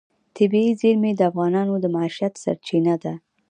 طبیعي زیرمې د افغانانو د معیشت سرچینه ده.